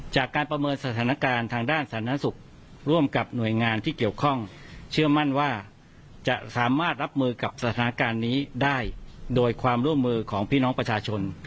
จากการประเมินสถานการณ์ทางด้านสาธารณสุขร่วมกับหน่วยงานที่เกี่ยวข้องเชื่อมั่นว่าจะสามารถรับมือกับสถานการณ์นี้ได้โดยความร่วมมือของพี่น้องประชาชน